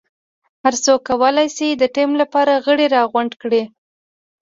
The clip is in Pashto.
هر څوک کولای شي د ټیم لپاره غړي راغونډ کړي.